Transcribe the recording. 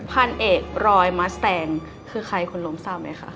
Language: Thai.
พันเอกรอยมัสแตงคือใครคนล้มทราบไหมคะ